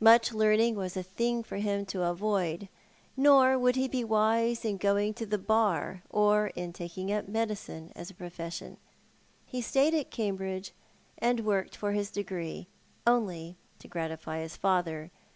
Much learning was a thing for him to avoid ; nor would he be wise in going to the Bar, or in taking up medicine as a profession. He stayed at Cambridge and worked for his degree, only to gratify his father.